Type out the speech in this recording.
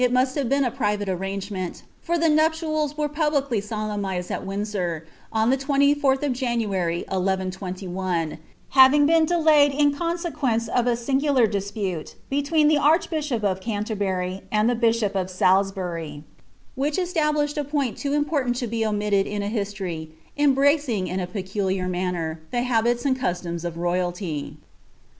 t have been a private arrangement, for the iiupiials were pul PBdy aolcmnized at Windsor, on the 24th of January, 1121 ;' having l>tai delayed in consequence of a singular dispute between the arch of Canlerbury and the bishop of Salisbury, which eslnblislied a Ut loo important to be omilted in a history, embracing, in a peculiar ■ner, lh« habils and customs of royally.